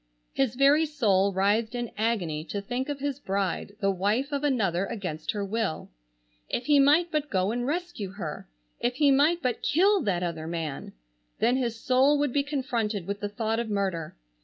His very soul writhed in agony to think of his bride the wife of another against her will. If he might but go and rescue her. If he might but kill that other man! Then his soul would be confronted with the thought of murder.